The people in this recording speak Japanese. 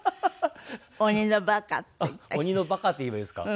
「鬼のバカ」って言えばいいですか。